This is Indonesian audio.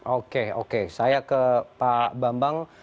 oke oke saya ke pak bambang